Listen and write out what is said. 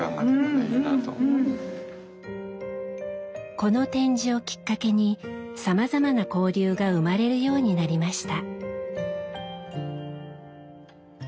この展示をきっかけにさまざまな交流が生まれるようになりました。